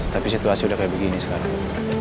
tapi situasi udah kayak begini sekarang